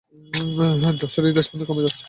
জশের হৃদস্পন্দন কমে যাচ্ছে।